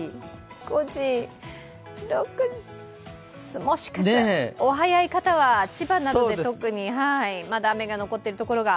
もしかしたらお早い方は千葉などで特に、まだ雨が残っているところが。